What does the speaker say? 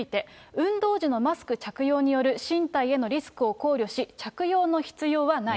運動時のマスク着用による身体へのリスクを考慮し、着用の必要はない。